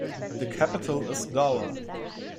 The capital is Dowa.